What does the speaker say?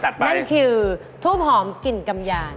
นั่นคือทูบหอมกลิ่นกำยาน